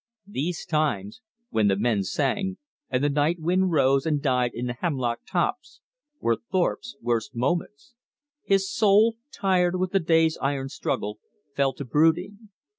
These times when the men sang, and the night wind rose and died in the hemlock tops were Thorpe's worst moments. His soul, tired with the day's iron struggle, fell to brooding.